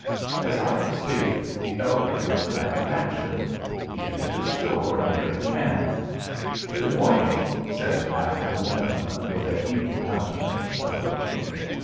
As I have stated, the elder was a man of action. He entered a store near at hand. "Good morning," said an affable gentleman with a Hebrew countenance, approaching.